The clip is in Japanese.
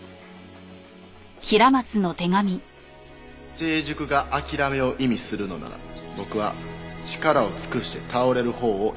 「成熟が諦めを意味するのなら僕は力を尽くして倒れるほうを選びたい」